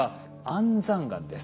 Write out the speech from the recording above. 安山岩。